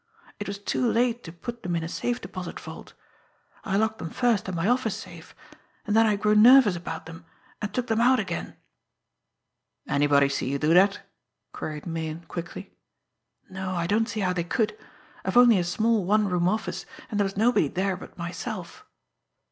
It was too late to put them in a safe deposit vault. I locked them first in my office safe, and then I grew nervous about them, and took them out again." "Anybody see you do that?" queried Meighan quickly. "No; I don't see how they could. I've only a small one room office, and there was nobody there but myself."